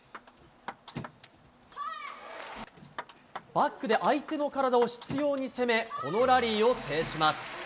バックで相手の体を執拗に攻めこのラリーを制します。